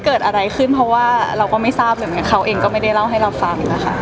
เกิดอะไรขึ้นเพราะว่าเราก็ไม่ทราบเลยเขาเองก็ไม่ได้เล่าให้เราฟัง